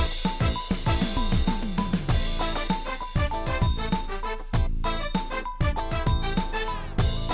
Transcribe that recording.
เป่ายิงฉุบมหาสนุกครับ